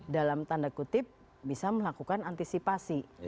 dalam tanda kutip bisa melakukan antisipasi